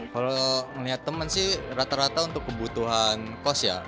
kalau melihat teman sih rata rata untuk kebutuhan kos ya